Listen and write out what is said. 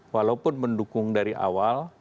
walaupun mendukung dari awal